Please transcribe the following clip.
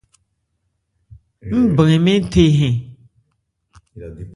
Ń brɛn mɛ́n the hɛn.